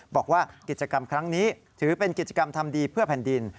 บอกว่ากิจกรรมครั้งนี้ถือเป็นกิจกรรมทำดีเพื่อแผ่นดิน